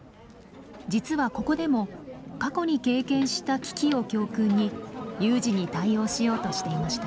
実はここでも過去に経験した危機を教訓に有事に対応しようとしていました。